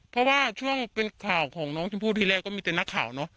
เพราะว่าช่วงเป็นข่าวของน้องชมพู่ที่แรกก็มีแต่นักข่าวเนอะ